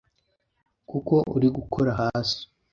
Kuko uri gukora hasi